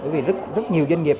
vì rất nhiều doanh nghiệp